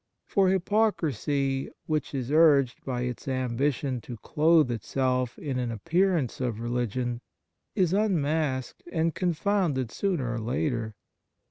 For hypocrisy, which is urged by its ambition to clothe itself in an appearance of religion, is unmasked and confounded sooner or later.